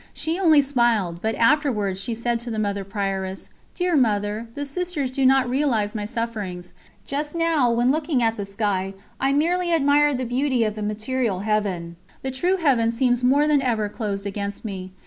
She only smiled, but afterwards she said to the Mother Prioress: "Dear Mother, the Sisters do not realise my sufferings. Just now, when looking at the sky, I merely admired the beauty of the material heaven the true Heaven seems more than ever closed against me.